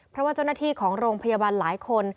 เพราะว่าเจ้าหน้าที่ของโรงพยาบาลหลายคน